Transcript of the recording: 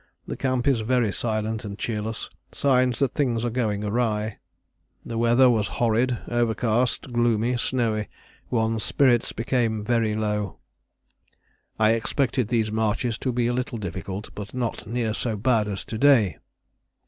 The camp is very silent and cheerless, signs that things are going awry." "The weather was horrid, overcast, gloomy, snowy. One's spirits became very low." "I expected these marches to be a little difficult, but not near so bad as to day."